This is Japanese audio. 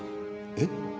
えっ？